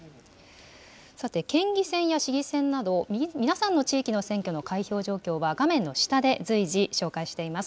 さて、県議選や市議選など、皆さんの地域の選挙の開票状況は、画面の下で随時紹介しています。